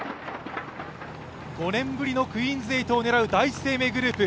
５年ぶりのクイーンズ８を狙う第一生命グループ。